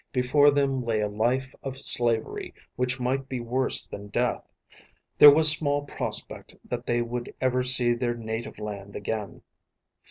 Before them lay a life of slavery which might be worse than death; there was small prospect that they would ever see their native land again.